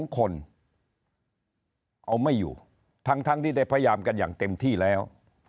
๒คนเอาไม่อยู่ทั้งที่ได้พยายามกันอย่างเต็มที่แล้ว